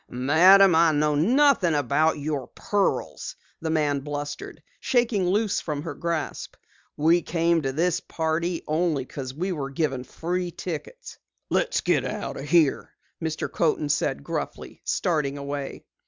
"Madam, I know nothing about your pearls," the man blustered, shaking loose from her grasp. "We came to this party only because we were given free tickets." "Let's get out of here," Mr. Coaten said gruffly, starting away.